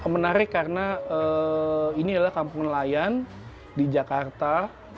menarik karena ini adalah kampung nelayan di jakarta